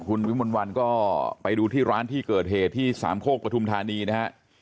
คุณวิมลวันก็ไปดูที่ร้านที่เกิดเหตุที่สามโคกปฐุมธานีนะฮะ